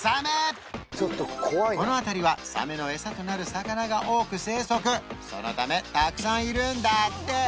この辺りはサメの餌となる魚が多く生息そのためたくさんいるんだって